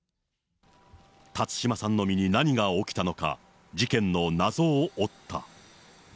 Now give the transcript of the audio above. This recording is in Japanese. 辰島さんの身に何が起きたのか、事件の謎を追った。